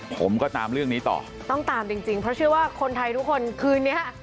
ผมก็ตามเรื่องนี้ต่อต้องตามจริงจริงเพราะเชื่อว่าคนไทยทุกคนคืนนี้